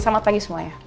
selamat pagi semuanya